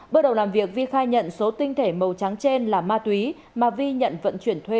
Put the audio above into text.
bước đầu làm việc vi khai nhận số tinh thể màu trắng trên là ma túy mà vi nhận vận chuyển thuê